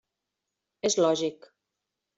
És lògic.